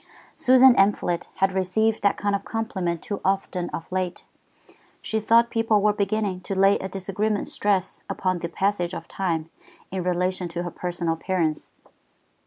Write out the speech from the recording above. Susan Amphlett had received that kind of compliment too often of late. She thought people were beginning to lay a disagreeable stress upon the passage of time in relation to her personal appearance.